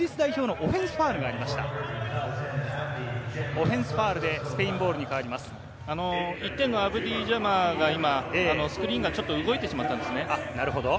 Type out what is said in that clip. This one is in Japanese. オフェンスファウルでスペイ１点のアブディ・ジャマがスクリーンが動いてしまったんですね。